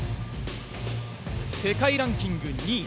世界ランキング２位。